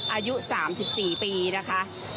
อายุ๓๔ปีนะคะ